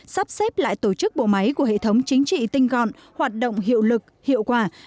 sắp xếp lại tổ chức bộ máy của hệ thống chính trị tinh gọn hoạt động hiệu lực hiệu quả